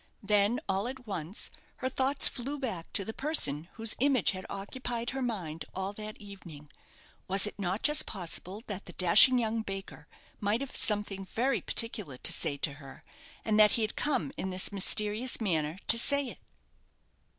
Then, all at once, her thoughts flew back to the person whose image had occupied her mind all that evening. Was it not just possible that the dashing young baker might have something very particular to say to her, and that he had come in this mysterious manner to say it?